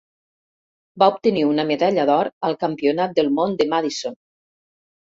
Va obtenir una medalla d'or al Campionat del món de Madison.